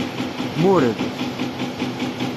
Mured.